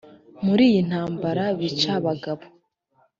muri iyo ntambara bica abagabo